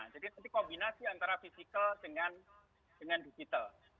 jadi itu kombinasi antara physical dengan digital